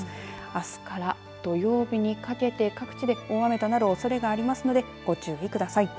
あすから土曜日にかけて各地で大雨となるおそれがありますのでご注意ください。